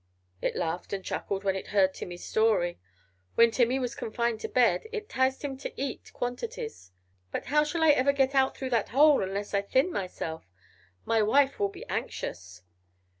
It laughed and chuckled when it heard Timmy's story. While Timmy was confined to bed, it 'ticed him to eat quantities "But how shall I ever get out through that hole unless I thin myself? My wife will be anxious!"